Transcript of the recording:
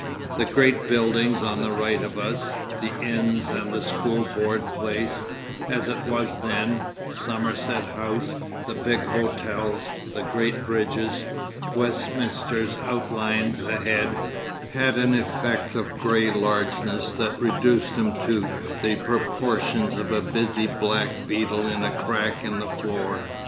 The great buildings on the right of us, the Inns and the School Board place—as it was then—Somerset House, the big hotels, the great bridges, Westminster's outlines ahead, had an effect of grey largeness that reduced him to the proportions of a busy black beetle in a crack in the floor.